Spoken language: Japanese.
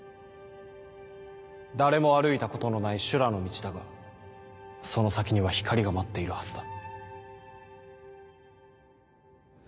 誰も歩いたことのない修羅の路だがその先には光が待っているはずだ。